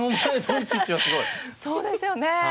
そうですよね。